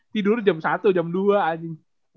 tidur jam satu jam dua anjing